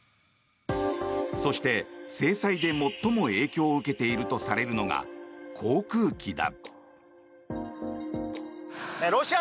そして、制裁で最も影響を受けているとされるのが航空機だ。